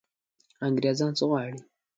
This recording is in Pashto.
انګرېزان څه غواړي.